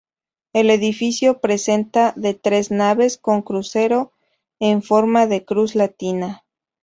El edificio presenta de tres naves, con crucero en forma de cruz latina.